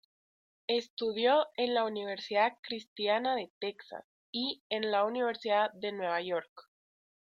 Estudió en la Universidad Cristiana de Texas y en la Universidad de Nueva York.